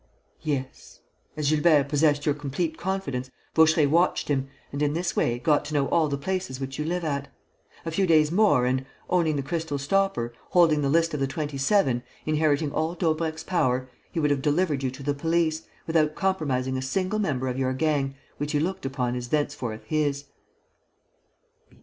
"Yes. As Gilbert possessed your complete confidence, Vaucheray watched him and, in this way, got to know all the places which you live at. A few days more and, owning the crystal stopper, holding the list of the Twenty seven, inheriting all Daubrecq's power, he would have delivered you to the police, without compromising a single member of your gang, which he looked upon as thenceforth his."